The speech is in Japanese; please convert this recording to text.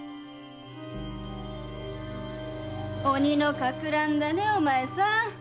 鬼の霍乱だねお前さん。